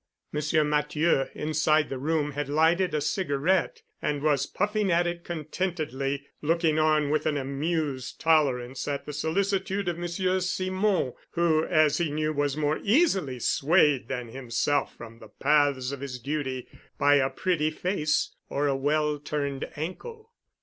Monsieur Matthieu, inside the room, had lighted a cigarette and was puffing at it contentedly, looking on with an amused tolerance at the solicitude of Monsieur Simon, who as he knew was more easily swayed than himself from the paths of his duty by a pretty face or a well turned ankle.